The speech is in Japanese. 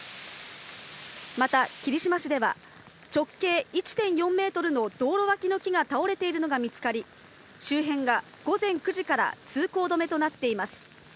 また、霧島市では、直径１．４メートルの道路脇の木が倒れているのが見つかり、周辺が午前９時から通行止めとなっています。